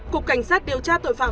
cục cảnh sát điều tra tội phạm